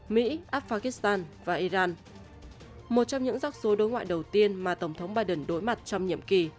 một trong những rắc rối đối ngoại đầu tiên mà tổng thống biden đối mặt trong nhiệm kỳ